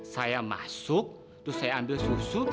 saya masuk terus saya ambil susu